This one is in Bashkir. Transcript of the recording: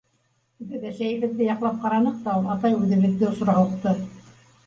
Беҙ әсәйебеҙҙе яҡлап ҡараныҡ та ул, атай үҙебеҙҙе осора һуҡты.